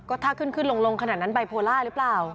ก็ถ้าขึ้นขึ้นลงขนาดนั้นไบโพล่าหรือเปล่า